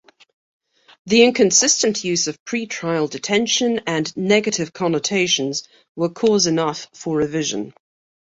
The inconsistent use of pre-trial detention and negative connotations were cause enough for revision.